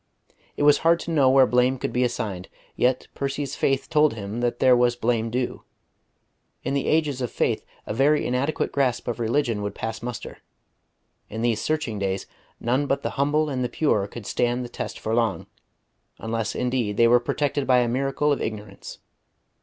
It was hard to know where blame could be assigned; yet Percy's faith told him that there was blame due. In the ages of faith a very inadequate grasp of religion would pass muster; in these searching days none but the humble and the pure could stand the test for long, unless indeed they were protected by a miracle of ignorance.